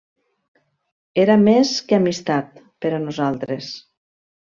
Era més que amistat, per a nosaltres.